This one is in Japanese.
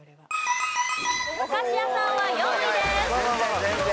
お菓子屋さんは４位です。